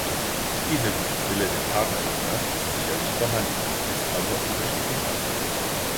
Dieser gute Wille der Partnerländer ist sicherlich vorhanden, ist aber unterschiedlich ausgeprägt.